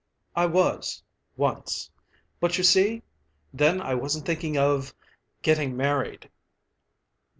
"I was once. But, you see, then I wasn't thinking of getting married."